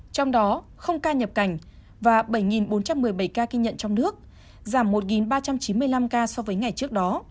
trong đó không ca nhập cảnh và bảy bốn trăm một mươi bảy ca ghi nhận trong nước giảm một ba trăm chín mươi năm ca so với ngày trước đó